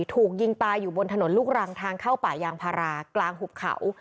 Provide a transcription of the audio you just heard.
ถูกยิงตายอยู่บนถนนลูกรังทางเข้าป่ายางพารากลางหุบเขา